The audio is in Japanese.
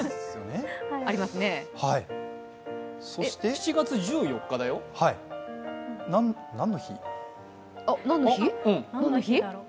７月１４日だよ。何の日？